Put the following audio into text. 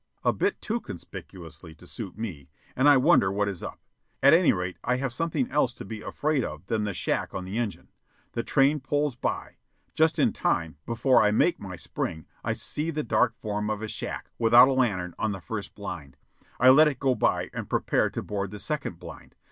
A bit too conspicuously to suit me, and I wonder what is up. At any rate I have something else to be afraid of than the shack on the engine. The train pulls by. Just in time, before I make my spring, I see the dark form of a shack, without a lantern, on the first blind. I let it go by, and prepare to board the second blind.